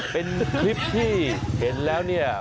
เป็นคลิปที่เห็นแล้วเนี่ย